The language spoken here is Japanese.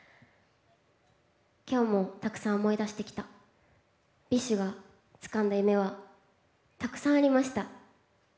今日も、たくさん思い出してきたＢｉＳＨがつかんだ夢はたくさんありました。